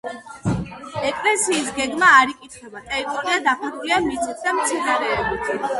ეკლესიის გეგმა არ იკითხება, ტერიტორია დაფარულია მიწით და მცენარეებით.